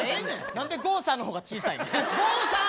何で郷さんの方が小さいねん。